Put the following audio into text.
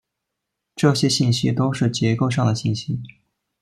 这些信息都是结构上的信息。